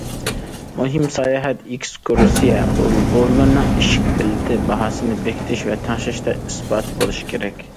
مۇھىم ساياھەت، ئېكسكۇرسىيە ئورۇنلىرىنىڭ ئىشىك بېلىتى باھاسىنى بېكىتىش ۋە تەڭشەشتە ئىسپاتى بولۇشى كېرەك.